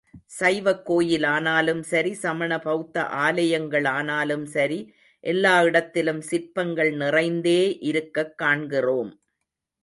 சைவக் கோயிலானாலும் சரி, சமண பௌத்த ஆலயங்கள் ஆனாலும் சரி எல்லா இடத்திலும் சிற்பங்கள் நிறைந்தே இருக்கக் காண்கிறோம்.